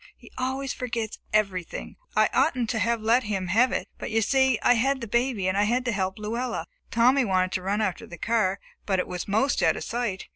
He always forgets everything. I oughtn't to have let him have it, but, you see, I had the baby and had to help Luella. Tommy wanted to run after the car, but it was 'most out of sight.